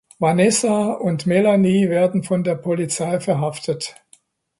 Vanessa und Melanie werden von der Polizei verhaftet.